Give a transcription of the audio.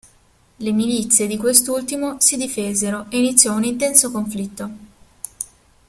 Le milizie di quest'ultimo si difesero e iniziò un intenso conflitto.